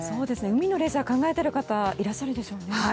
海のレジャー考えてる方いらっしゃるでしょうね。